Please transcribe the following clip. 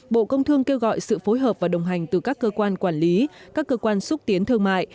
bộ công thương kêu gọi sự phối hợp và đồng hành từ các cơ quan quản lý các cơ quan xúc tiến thương mại